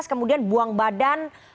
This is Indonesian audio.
kemudian buang badan